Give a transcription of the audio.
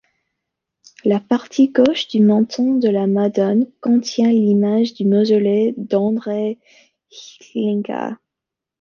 La partie gauche du manteau de la Madone contient l'image du mausolée d'Andrej Hlinka.